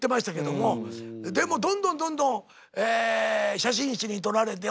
でもどんどんどんどん写真誌に撮られて。